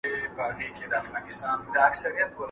¬ که په کور کي امير دئ، په بهر کي فقير دئ.